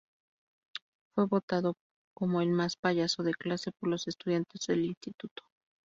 Fue votado como el más payaso de clase por los estudiantes del Instituto.